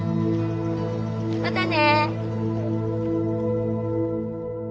またね。